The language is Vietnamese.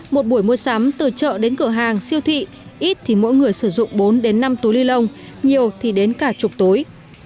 một buổi mua sắm từ chợ đến cửa hàng siêu thị ít thì mỗi người sử dụng bốn đến năm túi ni lông nhiều thì đến cả chục tối